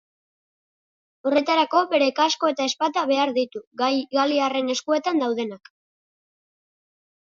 Horretarako bere kasko eta ezpata behar ditu, galiarren eskuetan daudenak.